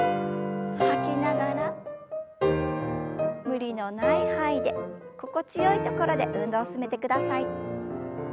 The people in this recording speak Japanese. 無理のない範囲で心地よいところで運動を進めてください。